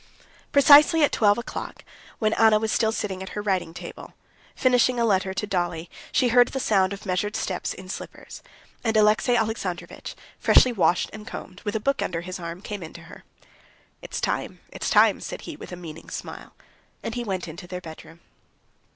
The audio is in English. Precisely at twelve o'clock, when Anna was still sitting at her writing table, finishing a letter to Dolly, she heard the sound of measured steps in slippers, and Alexey Alexandrovitch, freshly washed and combed, with a book under his arm, came in to her. "It's time, it's time," said he, with a meaning smile, and he went into their bedroom.